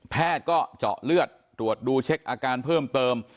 แพทย์ก็เจาะเลือดตรวจดูเช็คอาการเพิ่มเติม